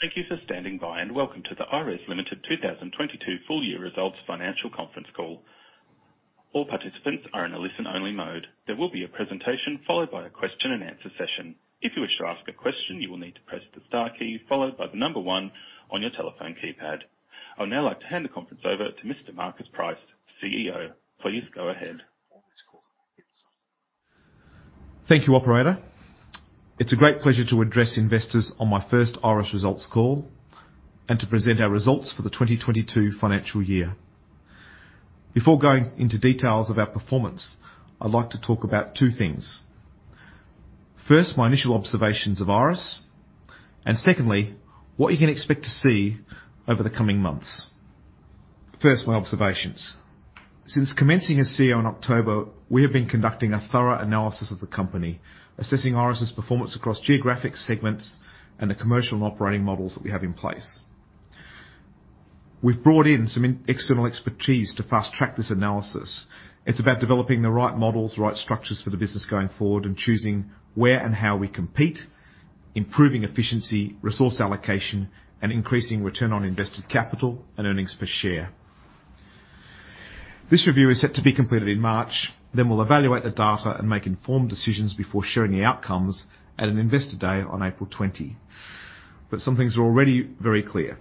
Thank you for standing by, and welcome to the Iress Limited 2022 full year results financial conference call. All participants are in a listen-only mode. There will be a presentation followed by a question-and-answer session. If you wish to ask a question, you will need to press the star key followed by the one on your telephone keypad. I'd now like to hand the conference over to Mr. Marcus Price, CEO. Please go ahead. Thank you, operator. It's a great pleasure to address investors on my first Iress results call and to present our results for the 2022 financial year. Before going into details of our performance, I'd like to talk about two things. First, my initial observations of Iress, and secondly, what you can expect to see over the coming months. First, my observations. Since commencing as CEO in October, we have been conducting a thorough analysis of the company, assessing Iress's performance across geographic segments and the commercial and operating models that we have in place. We've brought in some external expertise to fast-track this analysis. It's about developing the right models, right structures for the business going forward, and choosing where and how we compete, improving efficiency, resource allocation, and increasing return on invested capital and earnings per share. This review is set to be completed in March. We'll evaluate the data and make informed decisions before sharing the outcomes at an Investor Day on April 20. Some things are already very clear.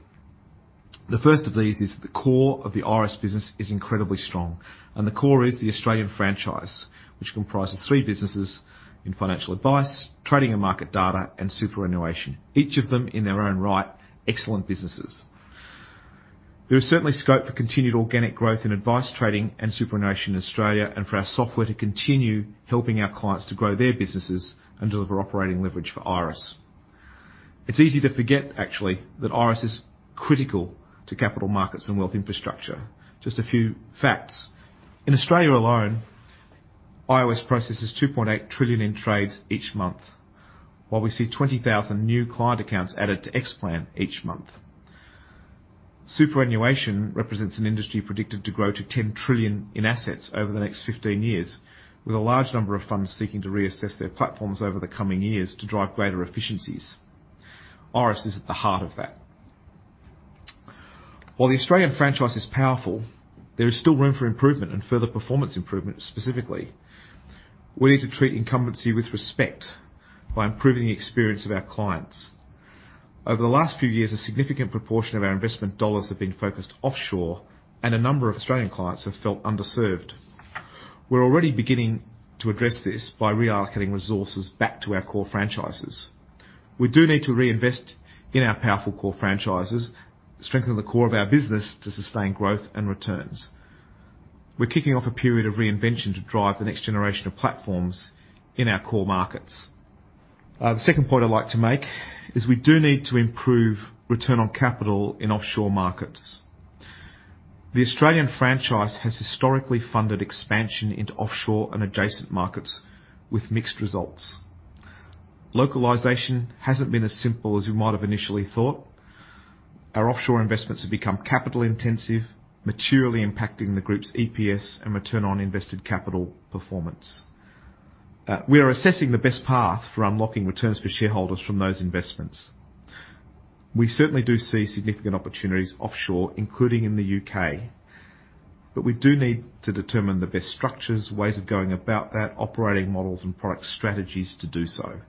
The first of these is the core of the Iress business is incredibly strong, and the core is the Australian franchise, which comprises three businesses in financial advice, Trading & Market Data, and superannuation. Each of them in their own right, excellent businesses. There is certainly scope for continued organic growth in advice, trading, and superannuation in Australia, and for our software to continue helping our clients to grow their businesses and deliver operating leverage for Iress. It's easy to forget actually that Iress is critical to capital markets and wealth infrastructure. Just a few facts. In Australia alone, Iress processes 2.8 trillion in trades each month. While we see 20,000 new client accounts added to Xplan each month. Superannuation represents an industry predicted to grow to 10 trillion in assets over the next 15 years, with a large number of funds seeking to reassess their platforms over the coming years to drive greater efficiencies. Iress is at the heart of that. While the Australian franchise is powerful, there is still room for improvement and further performance improvement, specifically. We need to treat incumbency with respect by improving the experience of our clients. Over the last few years, a significant proportion of our investment dollars have been focused offshore, and a number of Australian clients have felt underserved. We're already beginning to address this by reallocating resources back to our core franchises. We do need to reinvest in our powerful core franchises, strengthen the core of our business to sustain growth and returns. We're kicking off a period of reinvention to drive the next generation of platforms in our core markets. The second point I'd like to make is we do need to improve return on capital in offshore markets. The Australian franchise has historically funded expansion into offshore and adjacent markets with mixed results. Localization hasn't been as simple as you might have initially thought. Our offshore investments have become capital-intensive, materially impacting the group's EPS and return on invested capital performance. We are assessing the best path for unlocking returns for shareholders from those investments. We certainly do see significant opportunities offshore, including in the U.K., but we do need to determine the best structures, ways of going about that, operating models and product strategies to do so.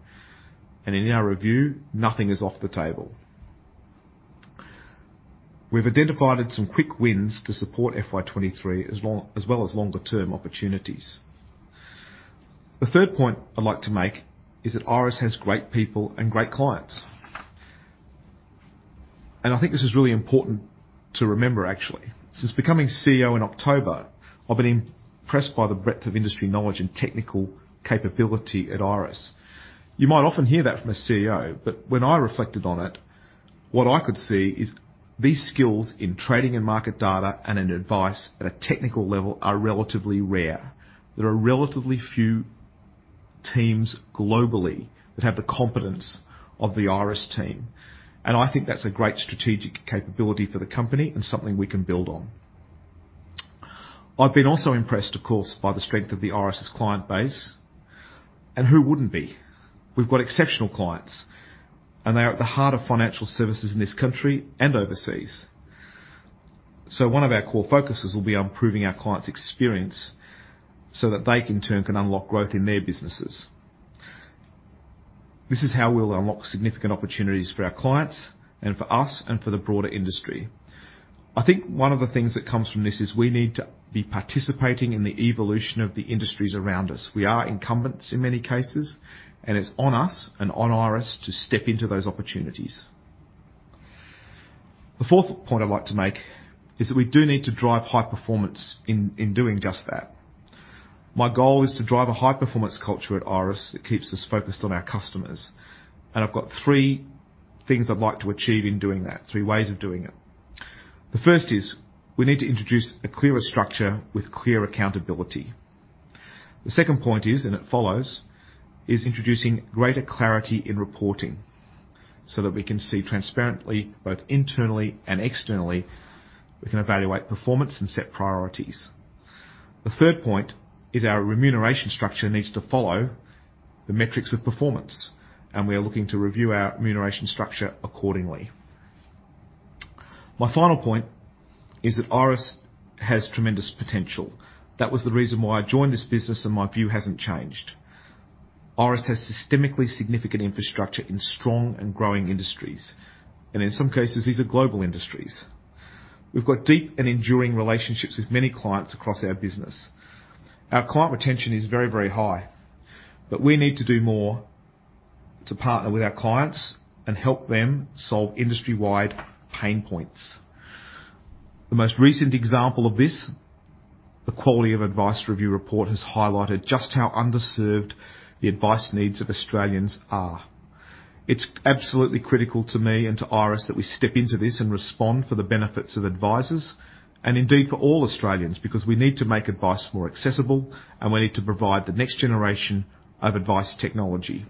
In our review, nothing is off the table. We've identified some quick wins to support FY 2023 as long as well as longer-term opportunities. The third point I'd like to make is that Iress has great people and great clients. I think this is really important to remember actually. Since becoming CEO in October, I've been impressed by the breadth of industry knowledge and technical capability at Iress. You might often hear that from a CEO, but when I reflected on it, what I could see is these skills in Trading & Market Data and in advice at a technical level are relatively rare. There are relatively few teams globally that have the competence of the Iress team, and I think that's a great strategic capability for the company and something we can build on. I've been also impressed, of course, by the strength of the Iress's client base. Who wouldn't be? We've got exceptional clients. They are at the heart of financial services in this country and overseas. One of our core focuses will be on improving our clients' experience so that they in turn can unlock growth in their businesses. This is how we'll unlock significant opportunities for our clients and for us and for the broader industry. I think one of the things that comes from this is we need to be participating in the evolution of the industries around us. We are incumbents in many cases, and it's on us and on Iress to step into those opportunities. The fourth point I'd like to make is that we do need to drive high performance in doing just that. My goal is to drive a high-performance culture at Iress that keeps us focused on our customers. I've got three things I'd like to achieve in doing that. Three ways of doing it. The first is we need to introduce a clearer structure with clear accountability. The second point is, it follows, is introducing greater clarity in reporting so that we can see transparently, both internally and externally. We can evaluate performance and set priorities. The third point is our remuneration structure needs to follow the metrics of performance. We are looking to review our remuneration structure accordingly. My final point is that Iress has tremendous potential. That was the reason why I joined this business. My view hasn't changed. Iress has systemically significant infrastructure in strong and growing industries. In some cases, these are global industries. We've got deep and enduring relationships with many clients across our business. Our client retention is very, very high. We need to do more to partner with our clients and help them solve industry-wide pain points. The most recent example of this, the Quality of Advice Review report, has highlighted just how underserved the advice needs of Australians are. It's absolutely critical to me and to Iress that we step into this and respond for the benefits of advisors and indeed for all Australians, because we need to make advice more accessible, and we need to provide the next generation of advice technology.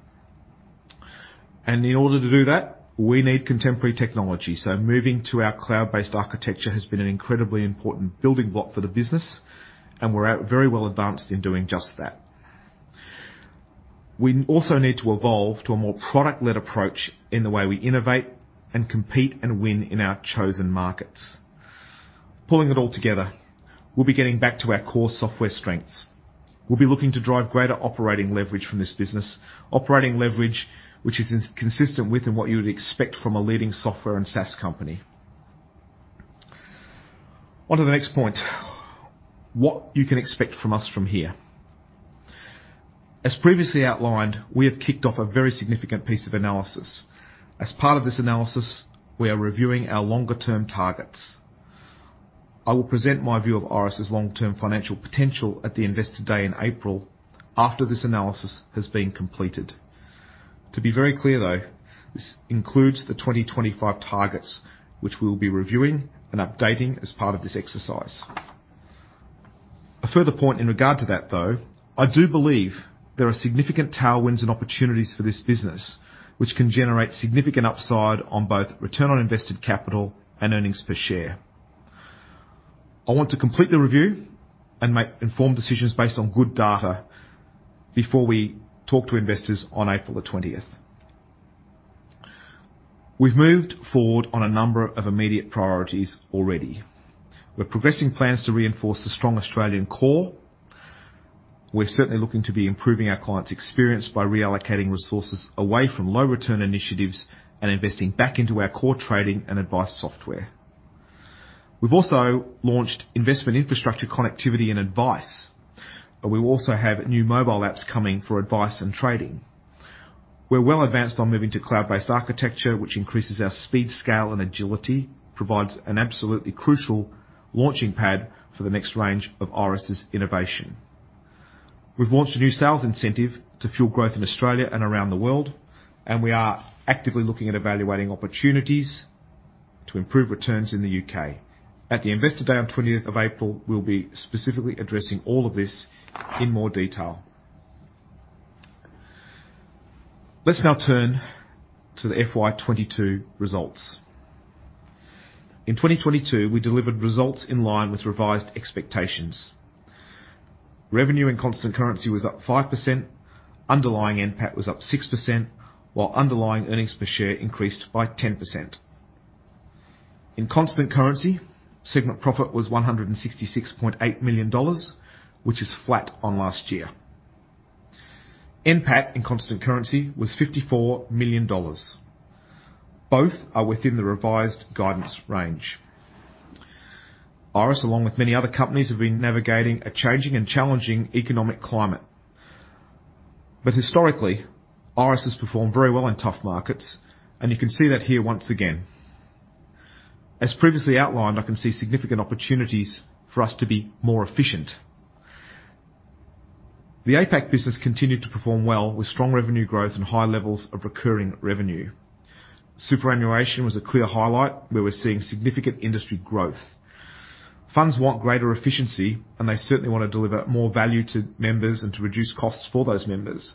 In order to do that, we need contemporary technology. Moving to our cloud-based architecture has been an incredibly important building block for the business, and we're at very well advanced in doing just that. We also need to evolve to a more product-led approach in the way we innovate and compete and win in our chosen markets. Pulling it all together, we'll be getting back to our core software strengths. We'll be looking to drive greater operating leverage from this business. Operating leverage, which is consistent with and what you would expect from a leading software and SaaS company. On to the next point. What you can expect from us from here. Previously outlined, we have kicked off a very significant piece of analysis. Part of this analysis, we are reviewing our longer-term targets. I will present my view of Iress' long-term financial potential at the Investor Day in April after this analysis has been completed. To be very clear, though, this includes the 2025 targets, which we'll be reviewing and updating as part of this exercise. A further point in regard to that, though, I do believe there are significant tailwinds and opportunities for this business, which can generate significant upside on both return on invested capital and earnings per share. I want to complete the review and make informed decisions based on good data before we talk to investors on April 20th. We've moved forward on a number of immediate priorities already. We're progressing plans to reinforce the strong Australian core. We're certainly looking to be improving our clients' experience by reallocating resources away from low return initiatives and investing back into our core trading and advice software. We've also launched investment infrastructure, connectivity and advice. We will also have new mobile apps coming for advice and trading. We're well advanced on moving to cloud-based architecture, which increases our speed, scale, and agility, provides an absolutely crucial launching pad for the next range of Iress' innovation. We've launched a new sales incentive to fuel growth in Australia and around the world. We are actively looking at evaluating opportunities to improve returns in the U.K. At the Investor Day on 20th of April, we'll be specifically addressing all of this in more detail. Let's now turn to the FY 2022 results. In 2022, we delivered results in line with revised expectations. Revenue in constant currency was up 5%, underlying NPAT was up 6%, while underlying earnings per share increased by 10%. In constant currency, segment profit was 166.8 million dollars, which is flat on last year. NPAT in constant currency was 54 million dollars. Both are within the revised guidance range. Iress, along with many other companies, have been navigating a changing and challenging economic climate. Historically, Iress has performed very well in tough markets, and you can see that here once again. As previously outlined, I can see significant opportunities for us to be more efficient. The APAC business continued to perform well with strong revenue growth and high levels of recurring revenue. Superannuation was a clear highlight where we're seeing significant industry growth. Funds want greater efficiency. They certainly wanna deliver more value to members and to reduce costs for those members.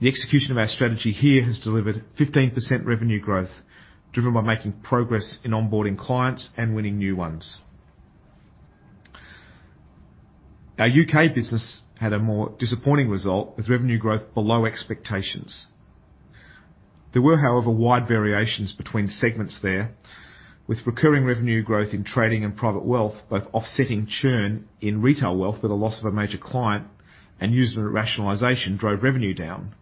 The execution of our strategy here has delivered 15% revenue growth, driven by making progress in onboarding clients and winning new ones. Our U.K. business had a more disappointing result, with revenue growth below expectations. There were, however, wide variations between segments there, with recurring revenue growth in Trading and Private Wealth, both offsetting churn in Retail Wealth with a loss of a major client and user rationalization drove revenue down.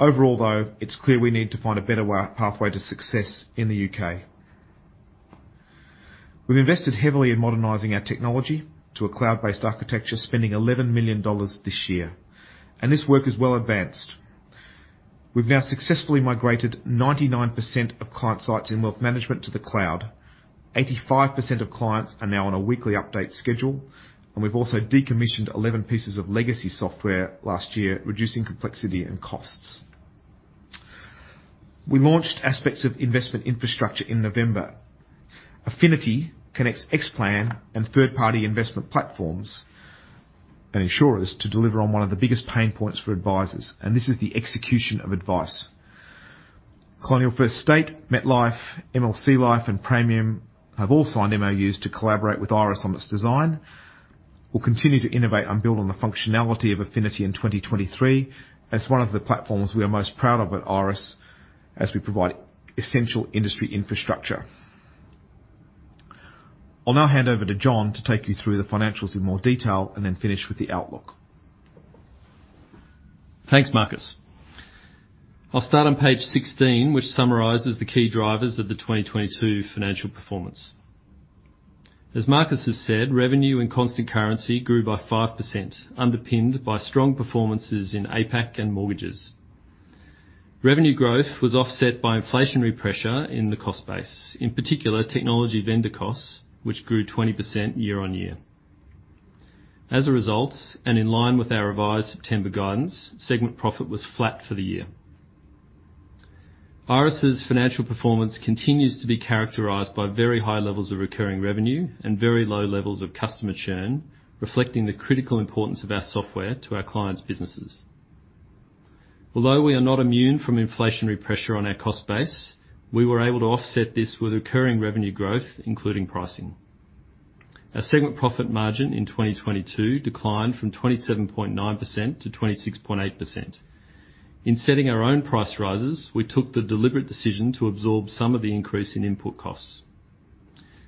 Overall, though, it's clear we need to find a better pathway to success in the U.K. We've invested heavily in modernizing our technology to a cloud-based architecture, spending 11 million dollars this year. This work is well advanced. We've now successfully migrated 99% of client sites in Wealth Management to the cloud. 85% of clients are now on a weekly update schedule. We've also decommissioned 11 pieces of legacy software last year, reducing complexity and costs. We launched aspects of investment infrastructure in November. Affinity connects Xplan and third-party investment platforms and insurers to deliver on one of the biggest pain points for advisors. This is the execution of advice. Colonial First State, MetLife, MLC Life, and Praemium have all signed MoUs to collaborate with Iress on this design. We'll continue to innovate and build on the functionality of Affinity in 2023. As one of the platforms we are most proud of at Iress as we provide essential industry infrastructure. I'll now hand over to John to take you through the financials in more detail and then finish with the outlook. Thanks, Marcus. I'll start on page 16, which summarizes the key drivers of the 2022 financial performance. As Marcus has said, revenue and constant currency grew by 5%, underpinned by strong performances in APAC and mortgages. Revenue growth was offset by inflationary pressure in the cost base, in particular technology vendor costs, which grew 20% year on year. As a result, and in line with our revised September guidance, segment profit was flat for the year. Iress's financial performance continues to be characterized by very high levels of recurring revenue and very low levels of customer churn, reflecting the critical importance of our software to our clients' businesses. Although we are not immune from inflationary pressure on our cost base, we were able to offset this with recurring revenue growth, including pricing. Our segment profit margin in 2022 declined from 27.9% to 26.8%. In setting our own price rises, we took the deliberate decision to absorb some of the increase in input costs.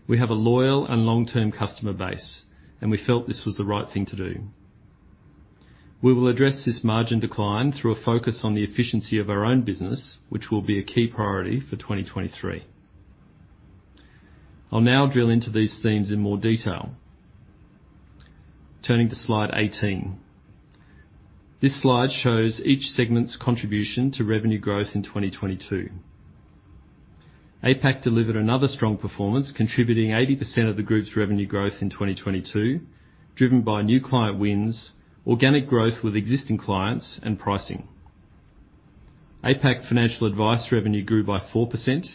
We have a loyal and long-term customer base, and we felt this was the right thing to do. We will address this margin decline through a focus on the efficiency of our own business, which will be a key priority for 2023. I'll now drill into these themes in more detail. Turning to slide 18. This slide shows each segment's contribution to revenue growth in 2022. APAC delivered another strong performance, contributing 80% of the group's revenue growth in 2022, driven by new client wins, organic growth with existing clients, and pricing. APAC Financial Advice revenue grew by 4%,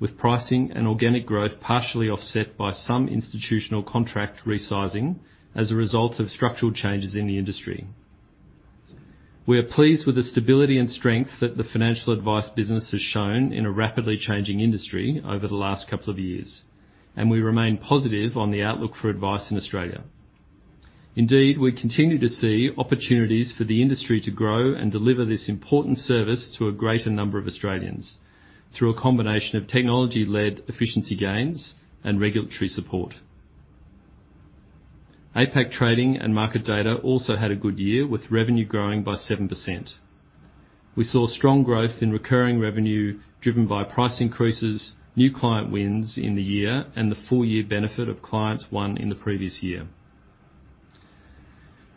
with pricing and organic growth partially offset by some institutional contract resizing as a result of structural changes in the industry. We are pleased with the stability and strength that the financial advice business has shown in a rapidly changing industry over the last couple of years, and we remain positive on the outlook for advice in Australia. Indeed, we continue to see opportunities for the industry to grow and deliver this important service to a greater number of Australians through a combination of technology-led efficiency gains and regulatory support. APAC Trading & Market Data also had a good year with revenue growing by 7%. We saw strong growth in recurring revenue driven by price increases, new client wins in the year, and the full year benefit of clients won in the previous year.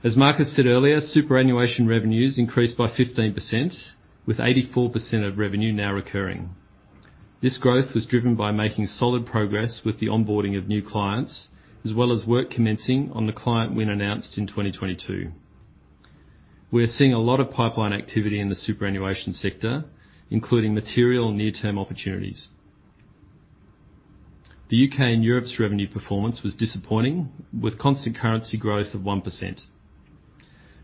As Marcus said earlier, superannuation revenues increased by 15%, with 84% of revenue now recurring. This growth was driven by making solid progress with the onboarding of new clients, as well as work commencing on the client win announced in 2022. We are seeing a lot of pipeline activity in the superannuation sector, including material and near-term opportunities. The U.K. and Europe's revenue performance was disappointing, with constant currency growth of 1%.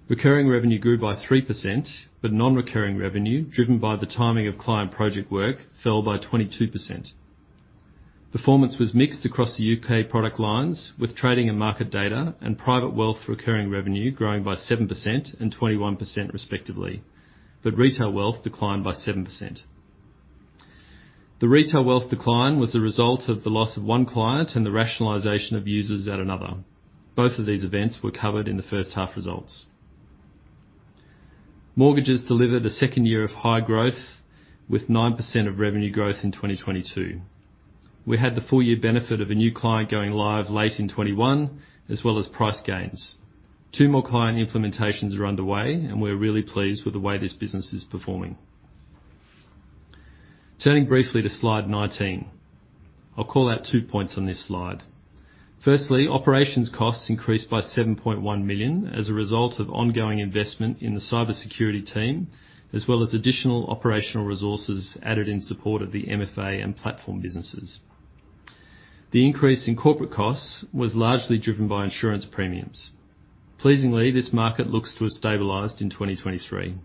Recurring revenue grew by 3%, non-recurring revenue, driven by the timing of client project work, fell by 22%. Performance was mixed across the U.K. product lines, with Trading & Market Data and Private Wealth recurring revenue growing by 7% and 21%, respectively. Retail Wealth declined by 7%. The Retail Wealth decline was a result of the loss of one client and the rationalization of users at another. Both of these events were covered in the first half results. Mortgages delivered a second year of high growth, with 9% of revenue growth in 2022. We had the full year benefit of a new client going live late in 2021, as well as price gains. Two more client implementations are underway, and we're really pleased with the way this business is performing. Turning briefly to slide 19. I'll call out two points on this slide. Firstly, operations costs increased by 7.1 million as a result of ongoing investment in the cybersecurity team, as well as additional operational resources added in support of the MFA and platform businesses. The increase in corporate costs was largely driven by insurance premiums. Pleasingly, this market looks to have stabilized in 2023.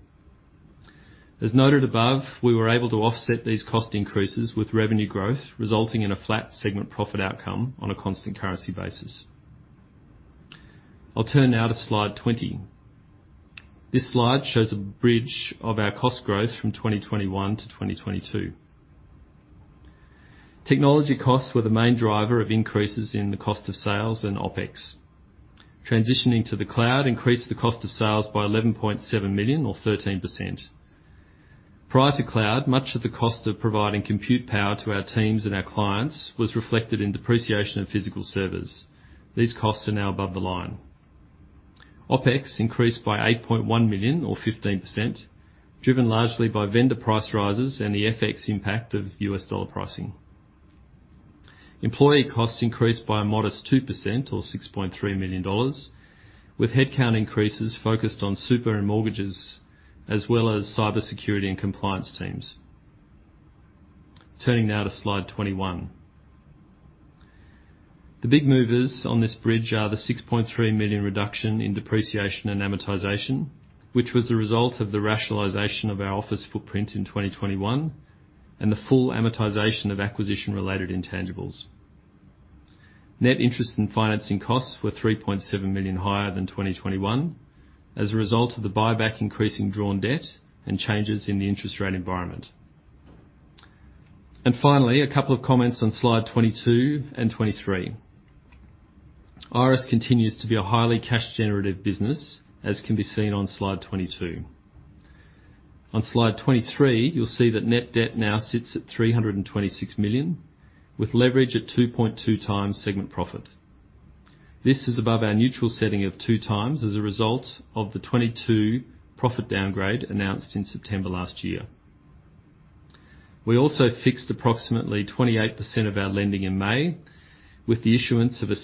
As noted above, we were able to offset these cost increases with revenue growth, resulting in a flat segment profit outcome on a constant currency basis. I'll turn now to slide 20. This slide shows a bridge of our cost growth from 2021 to 2022. Technology costs were the main driver of increases in the cost of sales and OpEx. Transitioning to the cloud increased the cost of sales by $11.7 million or 13%. Prior to cloud, much of the cost of providing compute power to our teams and our clients was reflected in depreciation of physical servers. These costs are now above the line. OpEx increased by $8.1 million or 15%, driven largely by vendor price rises and the FX impact of US dollar pricing. Employee costs increased by a modest 2% or 6.3 million dollars, with headcount increases focused on super and mortgages, as well as cybersecurity and compliance teams. Turning now to slide 21. The big movers on this bridge are the 6.3 million reduction in depreciation and amortization, which was the result of the rationalization of our office footprint in 2021, and the full amortization of acquisition-related intangibles. Net interest and financing costs were 3.7 million higher than 2021 as a result of the buyback increase in drawn debt and changes in the interest rate environment. Finally, a couple of comments on slide 22 and 23. Iress continues to be a highly cash generative business, as can be seen on slide 22. On slide 23, you'll see that net debt now sits at 326 million, with leverage at 2.2x segment profit. This is above our neutral setting of 2x as a result of the 2022 profit downgrade announced in September last year. We also fixed approximately 28% of our lending in May with the issuance of a AUD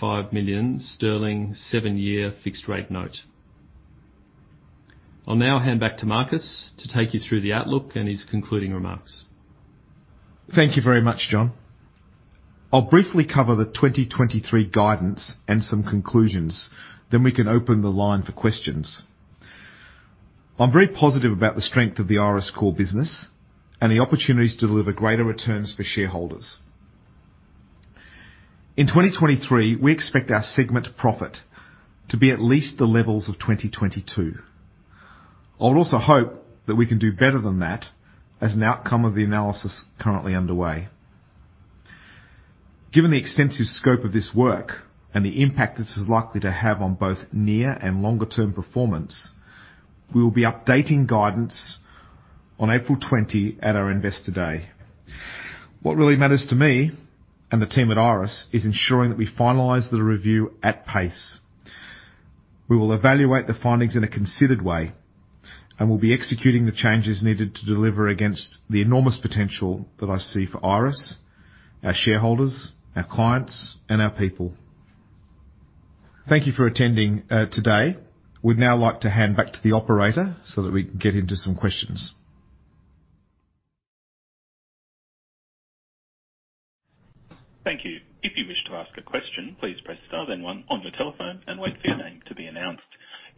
60.5 million 7-year fixed rate note. I'll now hand back to Marcus to take you through the outlook and his concluding remarks. Thank you very much, John. I'll briefly cover the 2023 guidance and some conclusions. We can open the line for questions. I'm very positive about the strength of the Iress core business and the opportunities to deliver greater returns for shareholders. In 2023, we expect our segment profit to be at least the levels of 2022. I'll also hope that we can do better than that as an outcome of the analysis currently underway. Given the extensive scope of this work and the impact this is likely to have on both near and longer term performance, we will be updating guidance on April 20 at our Investor Day. What really matters to me and the team at Iress is ensuring that we finalize the review at pace. We will evaluate the findings in a considered way, and we'll be executing the changes needed to deliver against the enormous potential that I see for Iress, our shareholders, our clients, and our people. Thank you for attending today. We'd now like to hand back to the operator so that we can get into some questions. Thank you. If you wish to ask a question, please press star then one on your telephone and wait for your name to be announced.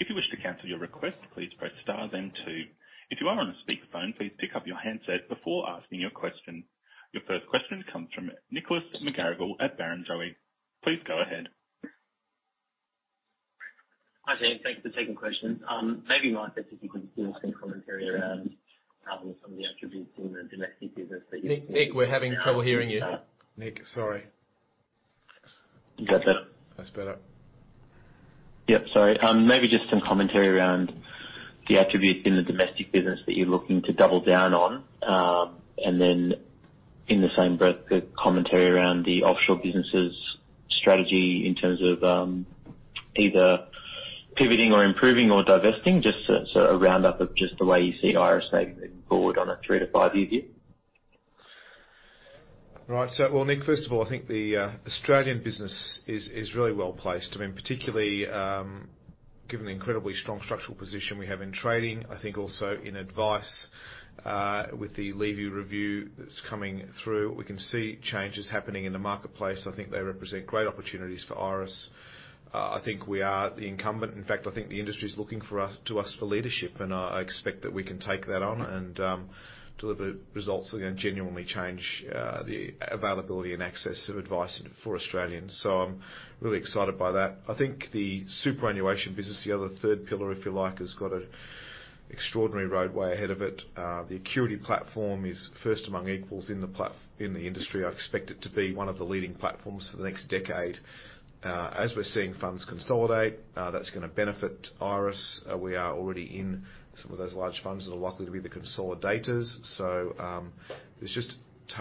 If you wish to cancel your request, please press star then two. If you are on a speakerphone, please pick up your handset before asking your question. Your first question comes from Nicholas McGarrigle at Barrenjoey. Please go ahead. Hi, team. Thanks for taking questions. Maybe, Marcus, if you could give us some commentary around having some of the attributes in the domestic business. Nick, we're having trouble hearing you. Nick. Sorry. You got that? That's better. Yep, sorry. maybe just some commentary around the attributes in the domestic business that you're looking to double down on. and then in the same breath, a commentary around the offshore businesses strategy in terms of either pivoting or improving or divesting, just so a round up of just the way you see Iress maybe moving forward on a three to five year view. Right. Nick, first of all, I think the Australian business is really well-placed. I mean, particularly, given the incredibly strong structural position we have in trading. I think also in advice, with the Levy Review that's coming through, we can see changes happening in the marketplace. I think they represent great opportunities for Iress. I think we are the incumbent. In fact, I think the industry's looking to us for leadership, and I expect that we can take that on and deliver results that are gonna genuinely change the availability and access of advice for Australians. I'm really excited by that. I think the superannuation business, the other third pillar, if you like, has got an extraordinary roadway ahead of it. The Acurity platform is first among equals in the industry. I expect it to be one of the leading platforms for the next decade. As we're seeing funds consolidate, that's going to benefit Iress. We are already in some of those large funds that are likely to be the consolidators. There's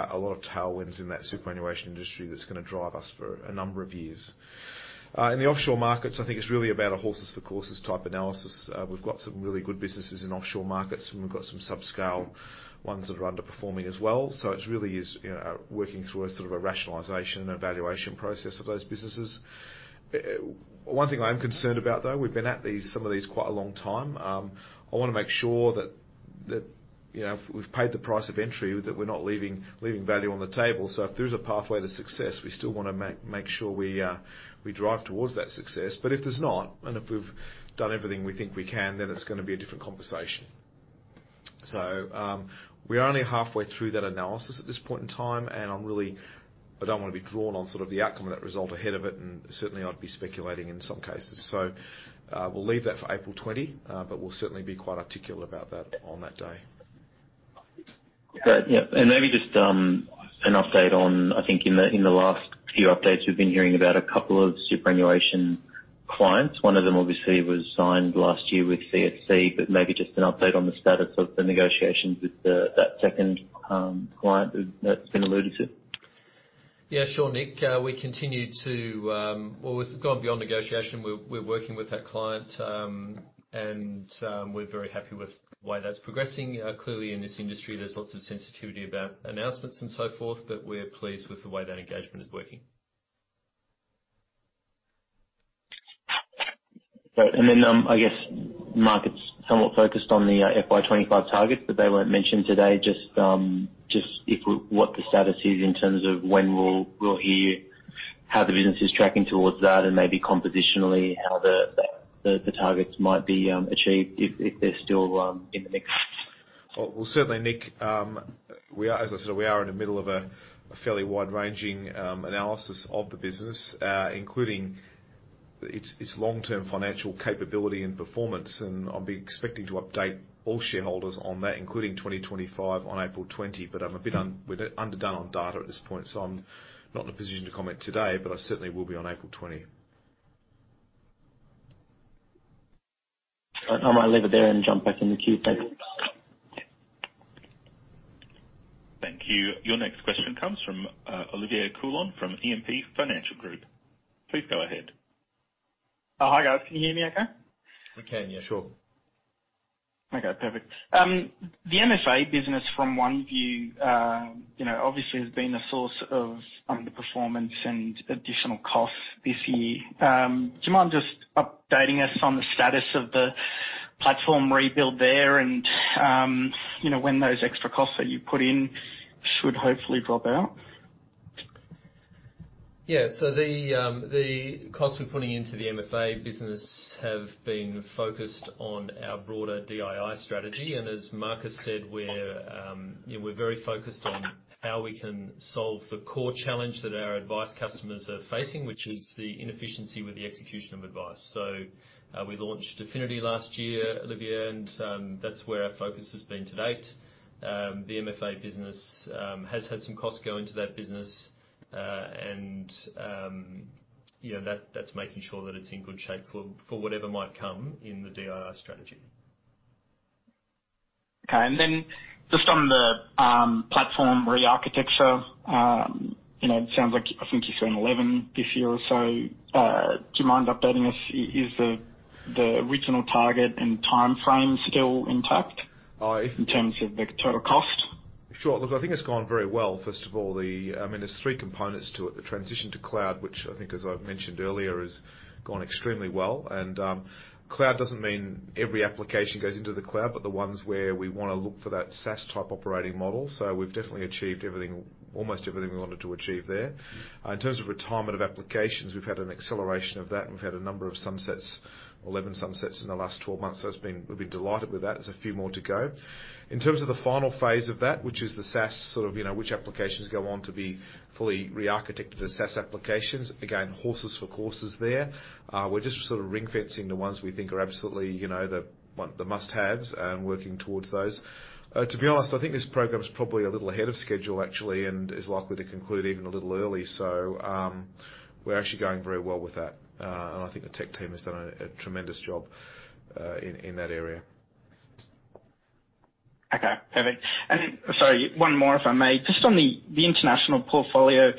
a lot of tailwinds in that superannuation industry that's going to drive us for a number of years. In the offshore markets, I think it's really about a horses for courses type analysis. We've got some really good businesses in offshore markets, and we've got some subscale ones that are underperforming as well. It's really is, you know, working through a sort of a rationalization and evaluation process of those businesses. One thing I am concerned about though, we've been at some of these quite a long time. I wanna make sure that, you know, if we've paid the price of entry, that we're not leaving value on the table. If there's a pathway to success, we still wanna make sure we drive towards that success. If there's not, and if we've done everything we think we can, then it's gonna be a different conversation. We're only halfway through that analysis at this point in time, and I'm really, I don't wanna be drawn on sort of the outcome of that result ahead of it, and certainly I'd be speculating in some cases. We'll leave that for April 20, but we'll certainly be quite articulate about that on that day. Great. Yeah. Maybe just an update on, I think in the last few updates you've been hearing about a couple of superannuation clients. One of them obviously was signed last year with CSC, but maybe just an update on the status of the negotiations with that second client that's been alluded to. Yeah, sure, Nick. We continue to, well, it's gone beyond negotiation. We're working with that client, and we're very happy with the way that's progressing. Clearly in this industry, there's lots of sensitivity about announcements and so forth, but we're pleased with the way that engagement is working. Great. I guess markets somewhat focused on the FY 2025 targets, but they weren't mentioned today. Just what the status is in terms of when we'll hear how the business is tracking towards that and maybe compositionally, how the targets might be achieved if they're still in the mix? Well certainly, Nick, we are, as I said, we are in the middle of a fairly wide-ranging analysis of the business, including its long-term financial capability and performance. I'll be expecting to update all shareholders on that, including 2025 on April 20. I'm a bit underdone on data at this point, so I'm not in a position to comment today, but I certainly will be on April 20. All right. I might leave it there and jump back in the queue. Thanks. Thank you. Your next question comes from Olivier Coulon from E&P Financial Group. Please go ahead. Oh, hi, guys. Can you hear me okay? We can, yeah. Sure. Okay, perfect. The MFA business from OneVue, obviously has been a source of underperformance and additional costs this year. Do you mind just updating us on the status of the platform rebuild there and when those extra costs that you put in should hopefully drop out? Yeah. The costs we're putting into the MFA business have been focused on our broader DII strategy. As Marcus said, we're, you know, we're very focused on how we can solve the core challenge that our advice customers are facing, which is the inefficiency with the execution of advice. We launched Affinity last year, Olivier, and that's where our focus has been to date. The MFA business has had some costs go into that business. You know, that's making sure that it's in good shape for whatever might come in the DII strategy. Okay. Just on the platform re-architecture, you know, it sounds like I think you're saying 11 this year or so. Do you mind updating us? Is the original target and timeframe still intact? I- In terms of the total cost? Sure. Look, I think it's gone very well, first of all. I mean, there's three components to it. The transition to cloud, which I think as I've mentioned earlier, has gone extremely well. Cloud doesn't mean every application goes into the cloud, but the ones where we wanna look for that SaaS-type operating model. We've definitely achieved everything, almost everything we wanted to achieve there. In terms of retirement of applications, we've had an acceleration of that, and we've had a number of sunsets, 11 sunsets in the last 12 months. We've been delighted with that. There's a few more to go. In terms of the final phase of that, which is the SaaS, sort of, you know, which applications go on to be fully re-architected as SaaS applications. Horses for courses there. We're just sort of ring-fencing the ones we think are absolutely, you know, the must-haves and working towards those. To be honest, I think this program is probably a little ahead of schedule actually, and is likely to conclude even a little early. We're actually going very well with that. And I think the tech team has done a tremendous job in that area. Okay, perfect. Then, sorry, one more if I may. Just on the international portfolio,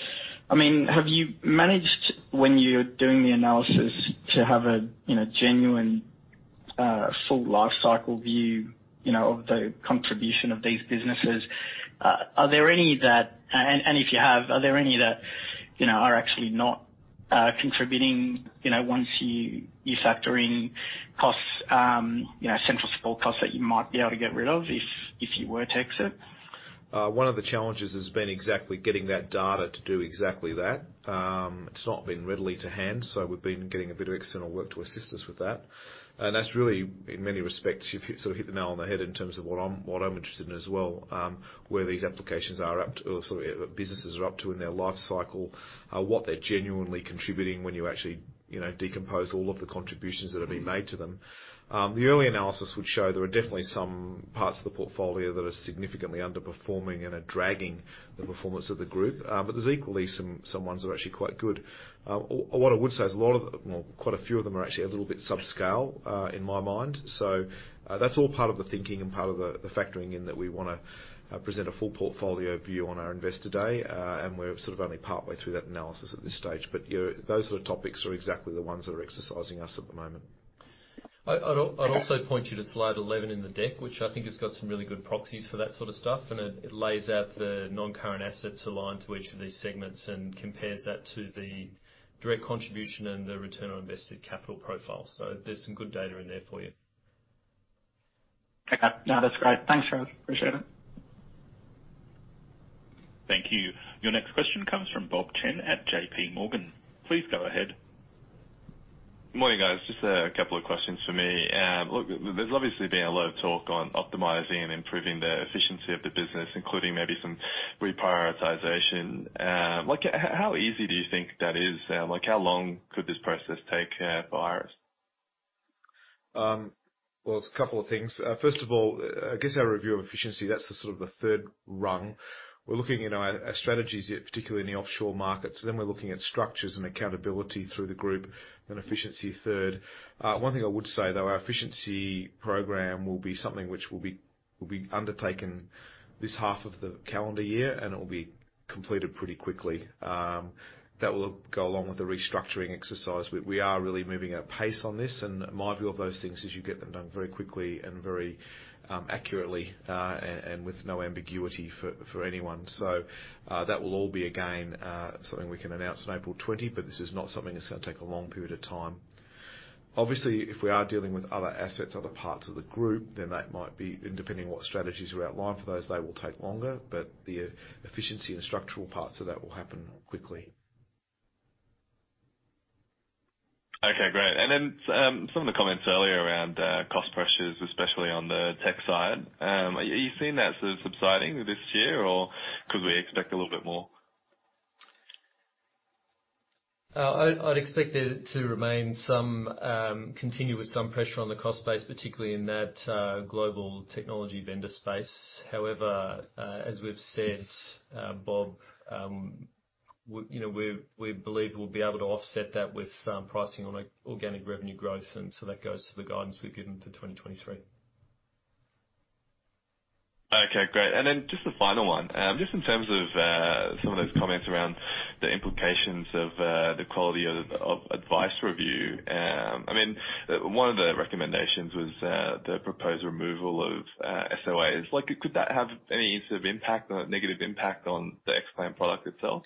I mean, have you managed when you're doing the analysis to have a, you know, genuine, full lifecycle view, you know, of the contribution of these businesses? Are there any that and if you have, are there any that, you know, are actually not contributing, you know, once you factor in costs, you know, central support costs that you might be able to get rid of if you were to exit? One of the challenges has been exactly getting that data to do exactly that. It's not been readily to hand. We've been getting a bit of external work to assist us with that. That's really, in many respects, you've hit, sort of hit the nail on the head in terms of what I'm, what I'm interested in as well. Where these applications are up to or, sort of, businesses are up to in their life cycle, what they're genuinely contributing when you actually, you know, decompose all of the contributions that have been made to them. The early analysis would show there are definitely some parts of the portfolio that are significantly underperforming and are dragging the performance of the group. There's equally some ones that are actually quite good. What I would say is a lot of, well, quite a few of them are actually a little bit subscale in my mind. That's all part of the thinking and part of the factoring in that we wanna present a full portfolio view on our Investor Day. We're sort of only partway through that analysis at this stage. Yeah, those sort of topics are exactly the ones that are exercising us at the moment. I'd also point you to slide 11 in the deck, which I think has got some really good proxies for that sort of stuff, and it lays out the non-current assets aligned to each of these segments and compares that to the direct contribution and the return on invested capital profile. There's some good data in there for you. Okay. No, that's great. Thanks for that. Appreciate it. Thank you. Your next question comes from Bob Chen at JPMorgan. Please go ahead. Morning, guys. Just a couple of questions for me. look, there's obviously been a lot of talk on optimizing and improving the efficiency of the business, including maybe some reprioritization. like how easy do you think that is? like how long could this process take? Well, it's a couple of things. First of all, I guess our review of efficiency, that's the sort of the third rung. We're looking, you know, at strategies, particularly in the offshore markets. We're looking at structures and accountability through the group, then efficiency third. One thing I would say, though, our efficiency program will be something which will be undertaken this half of the calendar year, and it will be completed pretty quickly. That will go along with the restructuring exercise. We are really moving at pace on this, and my view of those things is you get them done very quickly and very accurately, and with no ambiguity for anyone. That will all be again, something we can announce on April 20, but this is not something that's gonna take a long period of time. Obviously, if we are dealing with other assets, other parts of the group, then that might be, and depending on what strategies are outlined for those, they will take longer. The efficiency and structural parts of that will happen quickly. Okay, great. Some of the comments earlier around cost pressures, especially on the tech side. Are you seeing that sort of subsiding this year, or could we expect a little bit more? I'd expect there to remain some, continuous, some pressure on the cost base, particularly in that, global technology vendor space. As we've said, Bob, we, you know, we believe we'll be able to offset that with, pricing on organic revenue growth. That goes to the guidance we've given for 2023. Okay, great. Just a final one. Just in terms of some of those comments around the implications of the Quality of Advice Review. I mean, one of the recommendations was the proposed removal of SOAs. Like, could that have any sort of impact or negative impact on the Xplan product itself?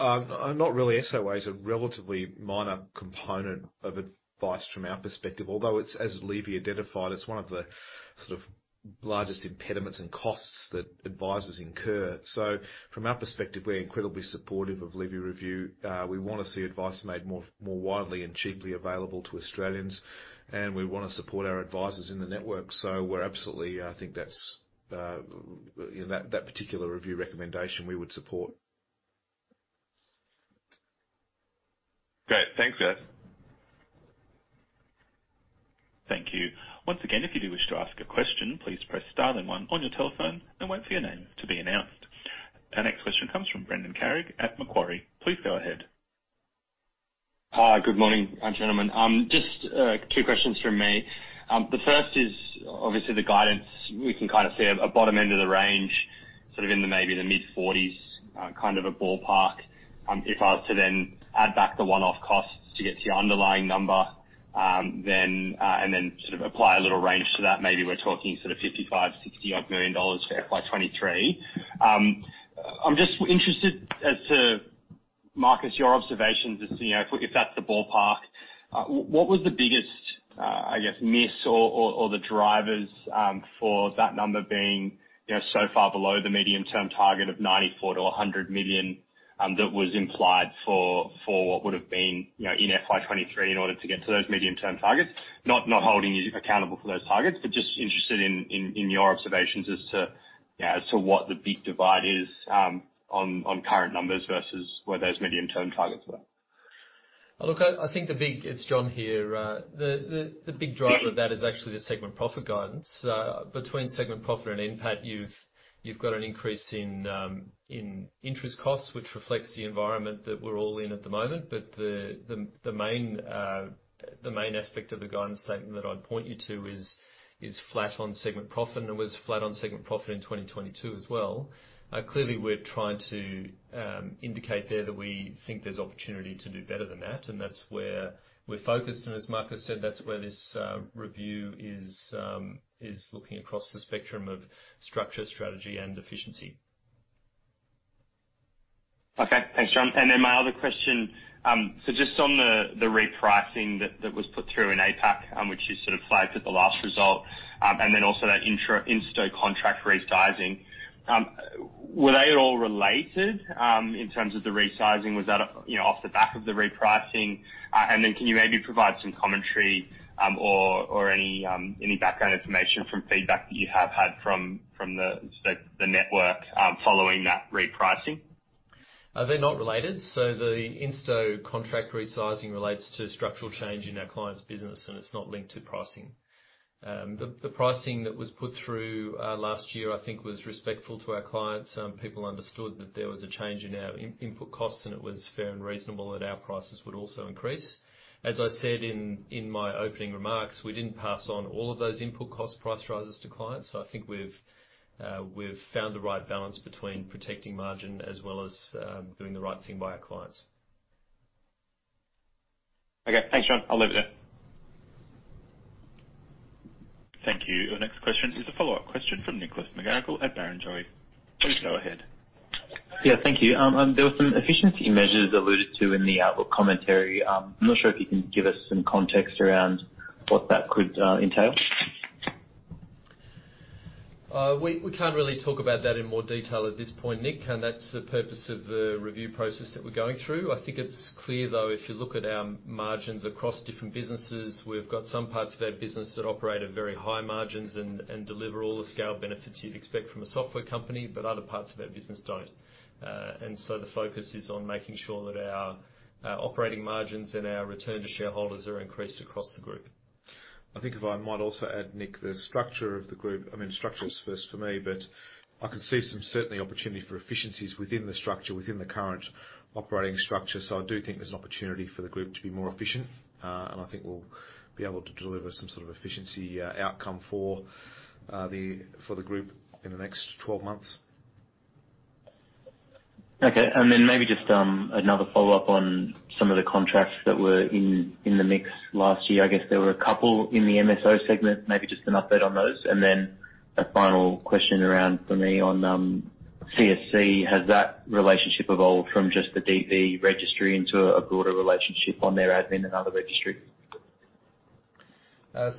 Not really. SOA is a relatively minor component of advice from our perspective. Although it's, as Levy identified, it's one of the sort of largest impediments and costs that advisors incur. From our perspective, we're incredibly supportive of Levy Review. We want to see advice made more, more widely and cheaply available to Australians, and we want to support our advisors in the network. We're absolutely, I think that's, you know, that particular review recommendation we would support. Great. Thanks, guys. Thank you. Once again, if you do wish to ask a question, please press star then one on your telephone and wait for your name to be announced. Our next question comes from Brendan Carrig at Macquarie. Please go ahead. Hi. Good morning, gentlemen. Just two questions from me. The first is obviously the guidance. We can kind of see a bottom end of the range, sort of in the maybe the mid-40s kind of a ballpark. If I was to then add back the one-off costs to get to your underlying number, then and then sort of apply a little range to that, maybe we're talking sort of 55 million-60 million dollars for FY 2023. I'm just interested as to, Marcus, your observations as to, you know, if that's the ballpark, what was the biggest, I guess, miss or the drivers, for that number being, you know, so far below the medium-term target of 94 million-100 million, that was implied for what would've been, you know, in FY 2023 in order to get to those medium-term targets? Not holding you accountable for those targets, but just interested in your observations as to, you know, as to what the big divide is, on current numbers versus where those medium-term targets were. Look, I think the big, It's John here. The big driver of that is actually the segment profit guidance. Between segment profit and NPAT, you've got an increase in interest costs, which reflects the environment that we're all in at the moment. The main aspect of the guidance statement that I'd point you to is flat on segment profit, and it was flat on segment profit in 2022 as well. Clearly, we're trying to indicate there that we think there's opportunity to do better than that, and that's where we're focused. As Marcus said, that's where this review is looking across the spectrum of structure, strategy, and efficiency. Okay. Thanks, John. My other question, so just on the repricing that was put through in APAC, which you sort of flagged at the last result, and then also that Insto contract resizing. Were they at all related in terms of the resizing? Was that, you know, off the back of the repricing? Can you maybe provide some commentary or any background information from feedback that you have had from the network following that repricing? They're not related. The Insto contract resizing relates to structural change in our clients' business, and it's not linked to pricing. The pricing that was put through last year, I think, was respectful to our clients. People understood that there was a change in our input costs, and it was fair and reasonable that our prices would also increase. As I said in my opening remarks, we didn't pass on all of those input cost price rises to clients. I think we've found the right balance between protecting margin as well as doing the right thing by our clients. Okay. Thanks, John. I'll leave it there. Thank you. Our next question is a follow-up question from Nicholas McGarrigle at Barrenjoey. Please go ahead. Thank you. There were some efficiency measures alluded to in the outlook commentary. I'm not sure if you can give us some context around what that could entail. We can't really talk about that in more detail at this point, Nick. That's the purpose of the review process that we're going through. I think it's clear, though, if you look at our margins across different businesses, we've got some parts of our business that operate at very high margins and deliver all the scale benefits you'd expect from a software company, but other parts of our business don't. The focus is on making sure that our operating margins and our return to shareholders are increased across the group. I think if I might also add, Nick, the structure of the group, I mean, structure is first for me, but I can see some certainly opportunity for efficiencies within the structure, within the current operating structure. I do think there's an opportunity for the group to be more efficient, and I think we'll be able to deliver some sort of efficiency outcome for the group in the next 12 months. Okay. Maybe just another follow-up on some of the contracts that were in the mix last year. I guess there were a couple in the MSO segment, maybe just an update on those. A final question around for me on CSC, has that relationship evolved from just the DB registry into a broader relationship on their admin and other registry? I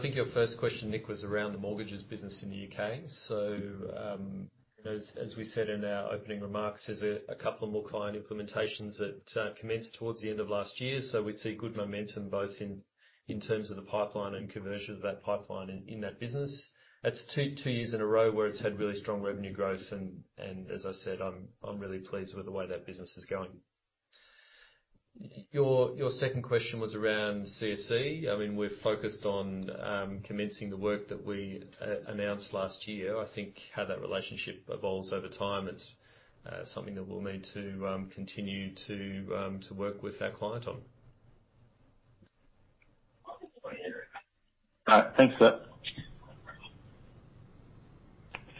think your first question, Nick, was around the mortgages business in the U.K. As we said in our opening remarks, there's a couple more client implementations that commenced towards the end of last year. We see good momentum both in terms of the pipeline and conversion of that pipeline in that business. That's two years in a row where it's had really strong revenue growth, and as I said, I'm really pleased with the way that business is going. Your second question was around CSC. I mean, we're focused on commencing the work that we announced last year. I think how that relationship evolves over time, it's something that we'll need to continue to work with that client on. Thanks for that.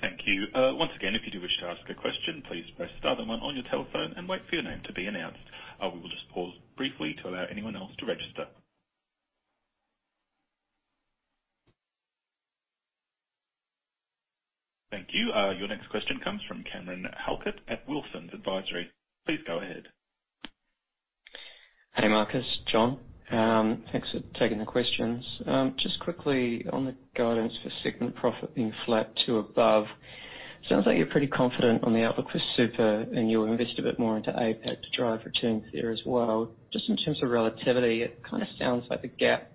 Thank you. Once again, if you do wish to ask a question, please press star then one on your telephone and wait for your name to be announced. We will just pause briefly to allow anyone else to register. Thank you. Your next question comes from Cameron Halkett at Wilsons Advisory. Please go ahead. Hey, Marcus, John. Thanks for taking the questions. Just quickly on the guidance for segment profit being flat to above. Sounds like you're pretty confident on the outlook for super, and you'll invest a bit more into APAC to drive returns there as well. Just in terms of relativity, it kinda sounds like a gap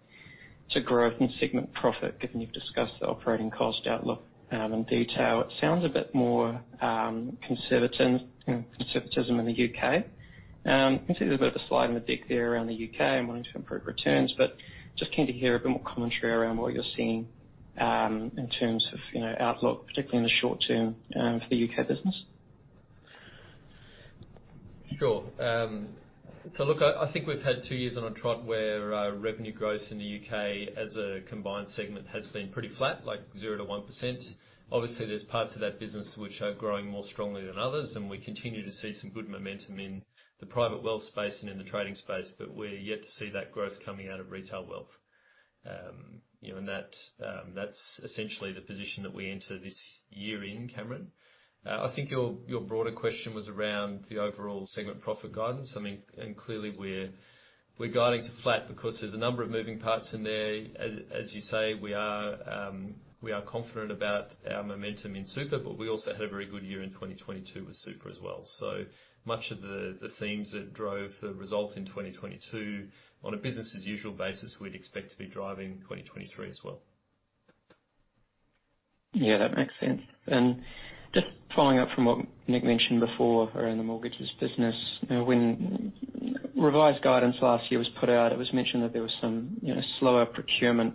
to growth and segment profit, given you've discussed the operating cost outlook in detail. It sounds a bit more conservatism in the U.K. Can see there's a bit of a slide in the deck there around the U.K. and wanting to improve returns, but just keen to hear a bit more commentary around what you're seeing, in terms of, you know, outlook, particularly in the short term, for the U.K. business. Sure. Look, I think we've had two years in a trot where revenue growth in the U.K. as a combined segment has been pretty flat, like 0%-1%. Obviously, there's parts of that business which are growing more strongly than others, and we continue to see some good momentum in the Private Wealth space and in the Trading space. We're yet to see that growth coming out of Retail Wealth. You know, that's essentially the position that we enter this year in, Cameron. I think your broader question was around the overall segment profit guidance. I mean, clearly we're guiding to flat because there's a number of moving parts in there. As you say, we are confident about our momentum in super, but we also had a very good year in 2022 with super as well. Much of the themes that drove the result in 2022 on a business as usual basis, we'd expect to be driving 2023 as well. Yeah, that makes sense. Just following up from what Nick mentioned before around the mortgages business. Now when revised guidance last year was put out, it was mentioned that there was some, you know, slower procurement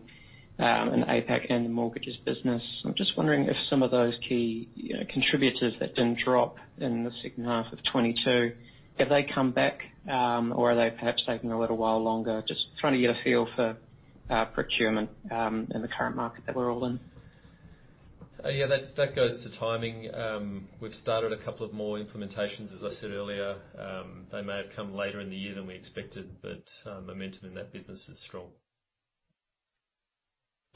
in APAC and the mortgages business. I'm just wondering if some of those key, you know, contributors that didn't drop in the second half of 2022, have they come back, or are they perhaps taking a little while longer? Just trying to get a feel for procurement in the current market that we're all in. Yeah, that goes to timing. We've started a couple of more implementations, as I said earlier. They may have come later in the year than we expected, but momentum in that business is strong.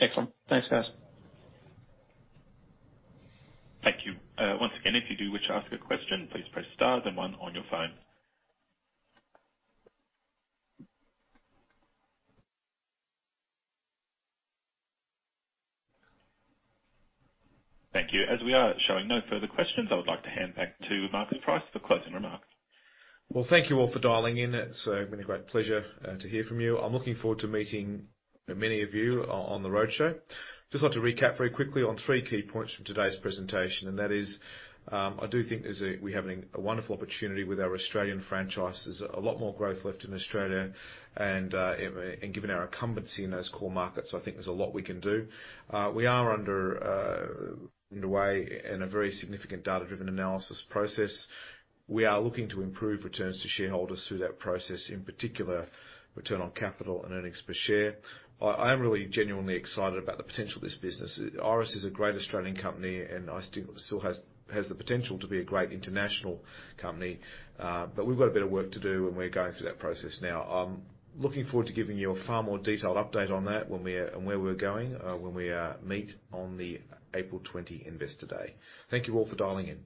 Excellent. Thanks, guys. Thank you. once again, if you do wish to ask a question, please press star then one on your phone. Thank you. As we are showing no further questions, I would like to hand back to Marcus Price for closing remarks. Well, thank you all for dialing in. It's been a great pleasure to hear from you. I'm looking forward to meeting many of you on the roadshow. Just like to recap very quickly on three key points from today's presentation, that is, I do think we're having a wonderful opportunity with our Australian franchises. A lot more growth left in Australia, and given our incumbency in those core markets, I think there's a lot we can do. We are underway in a very significant data-driven analysis process. We are looking to improve returns to shareholders through that process, in particular return on capital and earnings per share. I am really genuinely excited about the potential of this business. Iress is a great Australian company, and has the potential to be a great international company. We've got a bit of work to do, and we're going through that process now. I'm looking forward to giving you a far more detailed update on that and where we're going when we meet on the April 20 Investor Day. Thank you all for dialing in.